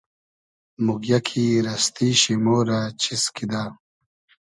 موگیۂ کی رئستی شی مۉ رۂ چیز کیدۂ